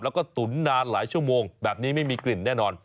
แล้วก็ตุ๋นนานหลายชั่วโมงแบบนี้ไม่มีกลิ่นแน่นอน